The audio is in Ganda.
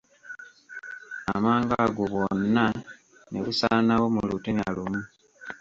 Amangu ago bwonna ne busaanawo mu lutemya lumu.